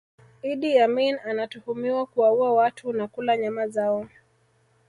Idi Amin anatuhumiwa kuwaua watu na kula nyama zao